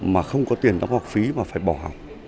mà không có tiền đóng học phí mà phải bỏ học